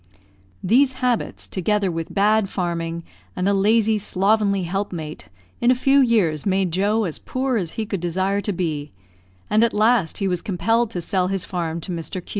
These habits together with bad farming, and a lazy, slovenly helpmate, in a few years made Joe as poor as he could desire to be; and at last he was compelled to sell his farm to Mr. Q